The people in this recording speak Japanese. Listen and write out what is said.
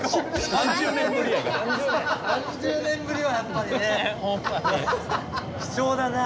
３０年ぶりはやっぱりね貴重だな。